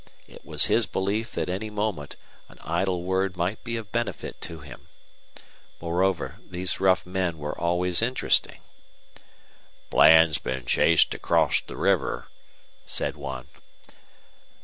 It was his belief that any moment an idle word might be of benefit to him. Moreover, these rough men were always interesting. "Bland's been chased across the river," said one.